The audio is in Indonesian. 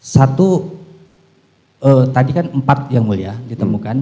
satu tadi kan empat yang mulia ditemukan